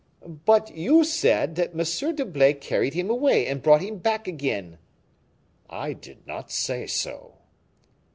"But you said that M. d'Herblay carried him away and brought him back again." "I did not say so."